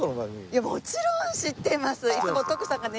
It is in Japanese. いやもちろん知ってます！